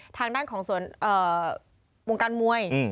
ทางด้านของส่วนเอ่อวงการมวยอืม